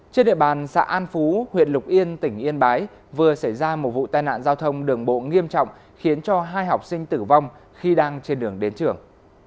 trên địa bàn xã an phú huyện lục yên tỉnh yên bái vừa xảy ra một vụ tai nạn giao thông đường bộ nghiêm trọng khiến cho hai học sinh tử vong khi đang trên đường đến trường